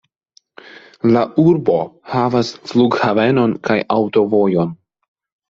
La urbo havas flughavenon kaj aŭtovojon.